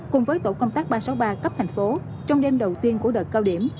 cùng với tổ công tác ba trăm sáu mươi ba cấp thành phố trong đêm đầu tiên của đợt cao điểm